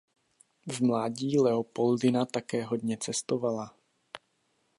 V mládí Leopoldina také hodně cestovala.